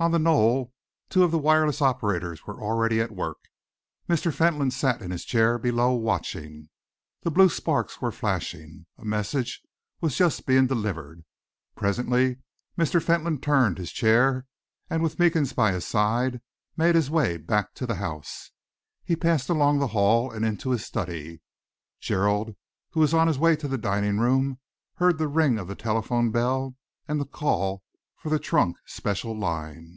On the knoll, two of the wireless operators were already at work. Mr. Fentolin sat in his chair below, watching. The blue sparks were flashing. A message was just being delivered. Presently Mr. Fentolin turned his chair, and with Meekins by his side, made his way back to the house. He passed along the hall and into his study. Gerald, who was on his way to the dining room, heard the ring of the telephone bell and the call for the trunk special line.